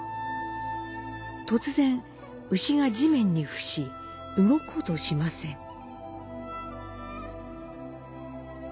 突然、牛が地面に伏し動こうとしません。